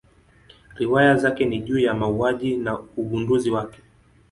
Riwaya zake ni juu ya mauaji na ugunduzi wake.